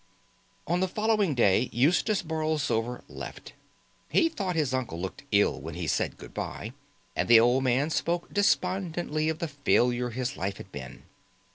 On the following day Eustace Borlsover left. He thought his uncle looked ill when he said good by, and the old man spoke despondently of the failure his life had been.